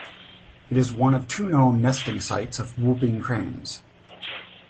It is one of two known nesting sites of whooping cranes.